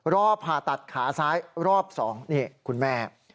รอผ่าตัดขาซ้ายรอบ๒นี่คุณแม่